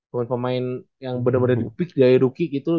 pemain pemain yang bener bener di pick dari rookie gitu